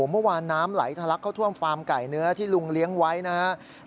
เมื่อวานน้ำไหลทะลักเข้าท่วมฟาร์มไก่เนื้อที่ลุงเลี้ยงไว้นะครับ